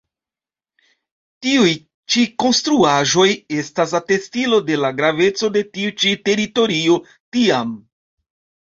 Tiuj ĉi konstruaĵoj estas atestilo de la graveco de tiu ĉiu teritorio tiam.